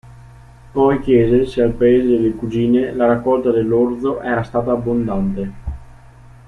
Poi chiese se al paese delle cugine la raccolta dell'orzo era stata abbondante.